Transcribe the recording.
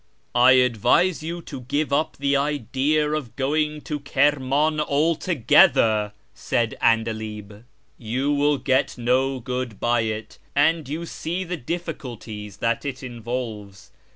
" I advise you to give up the idea of going to Kirman altogether," said ""Andalib ;" you will get no good by it, and you see the difficulties that it involves.